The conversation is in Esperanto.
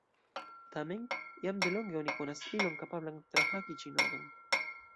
Tamen, jam delonge oni konas ilon kapablan trahaki ĉi nodon.